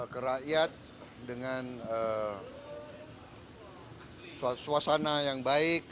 ke rakyat dengan suasana yang baik